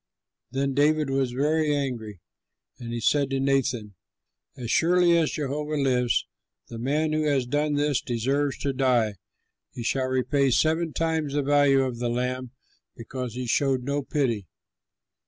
Then David was very angry, and he said to Nathan, "As surely as Jehovah lives, the man who has done this deserves to die; he shall repay seven times the value of the lamb, because he showed no pity."